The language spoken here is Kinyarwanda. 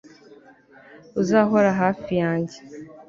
uzahora hafi yanjye